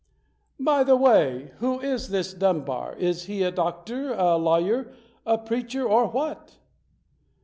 "By the way, who is this Dunbar? Is he a doctor, a lawyer, a preacher, or what?"